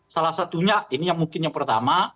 salah satunya ini yang mungkin yang pertama